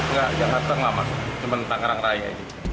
enggak jakarta enggak mas cuma tangerang raya